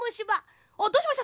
あっどうしました？